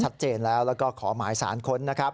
ชัดเจนแล้วแล้วก็ขอหมายสารค้นนะครับ